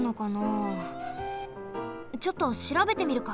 ちょっとしらべてみるか。